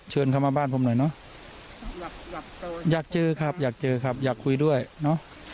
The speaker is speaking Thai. เจอครับอยากคุยด้วยเนาะ